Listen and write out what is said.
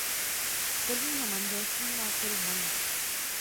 Z prvního manželství má dceru Hanu.